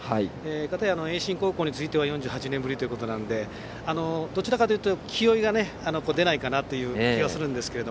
かたや、盈進高校については４８年ぶりということなのでどちらかというと気負いが出ないかなという気がするんですが。